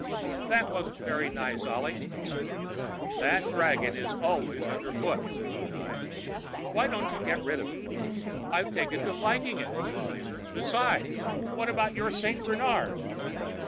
"That wasn't very nice, Ollie," said Lazar. "That dragon is always underfoot," said Brunei. "Why don't you get rid of it?" "I've taken a liking to it," said Lazar. "Besides, what about your Saint Bernard?"